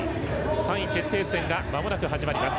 ３位決定戦がまもなく始まります。